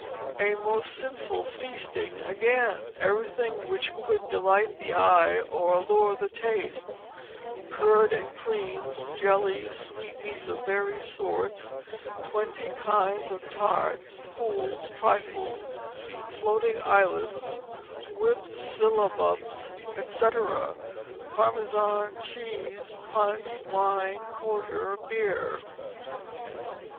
"A most sinful feast again! everything which could delight the eye or allure the taste; curds and creams, jellies, sweetmeats of various sorts, twenty kinds of tarts, fools, trifles, floating islands, whipped sillabubs, etc. Parmesan cheese, punch, wine, porter, beer."